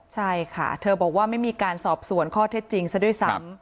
ใช่ค่ะเธอบอกว่าไม่มีการสอบสวนข้อเท็จจริงซะด้วยซ้ำ